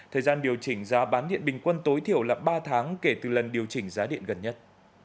thời gian điều chỉnh giá bán điện bình quân tối thiểu là ba tháng kể từ lần điều chỉnh giá điện gần nhất